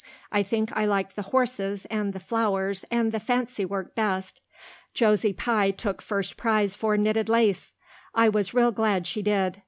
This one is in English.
I think I liked the horses and the flowers and the fancywork best. Josie Pye took first prize for knitted lace. I was real glad she did.